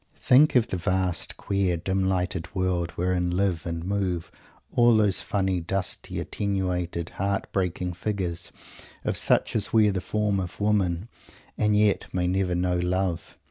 Think of the vast, queer, dim lighted world wherein live and move all those funny, dusty, attenuated, heart breaking figures, of such as wear the form of women and yet may never know "love"!